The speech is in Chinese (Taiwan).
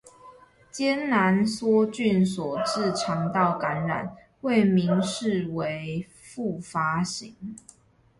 艱難梭菌所致腸道感染，未明示為復發型